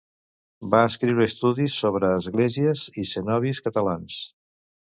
Va escriure estudis sobre esglésies i cenobis catalans.